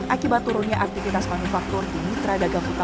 akibat turunnya aktivitas manufaktur di mitra dagang putra